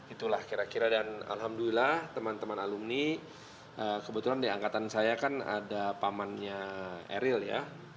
itulah kira kira dan alhamdulillah teman teman alumni kebetulan di angkatan saya kan ada pamannya eril ya